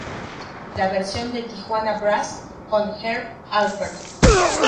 La versión de Tijuana Brass con Herb Alpert.